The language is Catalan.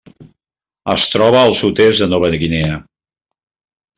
Es troba al sud-est de Nova Guinea.